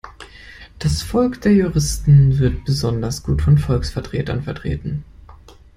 Das Volk der Juristen wird besonders gut von Volksvertretern vertreten.